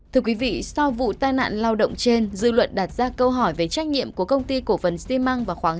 thưa quý vị sau vụ tai nạn lao động trên dư luận đặt ra câu hỏi về trách nhiệm của công ty cổ vấn si măng